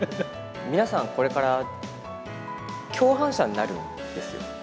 皆さん、これから共犯者になるんですよ。